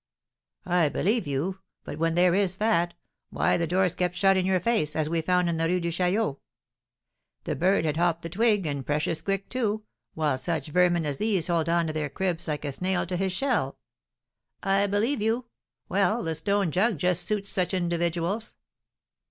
"I believe you; but when there is fat, why the door's kept shut in your face, as we found in the Rue de Chaillot. The bird had hopped the twig, and precious quick, too, whilst such vermin as these hold on to their cribs like a snail to his shell." "I believe you; well, the stone jug just suits such individuals."